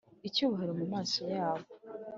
Icyubahiro mu maso yabo